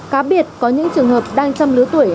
cá biệt có những trường hợp đang trong lứa tuổi